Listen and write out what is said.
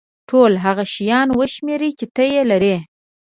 ټول هغه شیان وشمېره چې ته یې لرې.